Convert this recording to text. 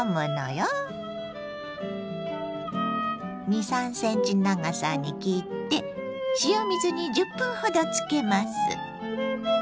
２３ｃｍ長さに切って塩水に１０分ほどつけます。